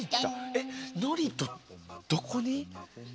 えのりとどこに？